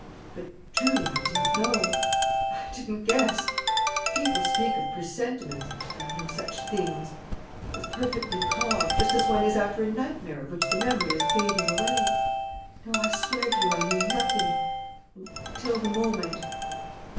But truly I didn't know ... I didn't guess.... People speak of presentiments: there are no such things. I was perfectly calm, just as one is after a nightmare of which the memory is fading away.... No, I swear to you, I knew nothing ... until the moment..."